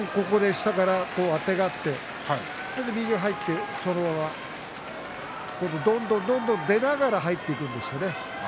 下からあてがって右が入って、そのままどんどんどんどん出ながら入っていくんですね。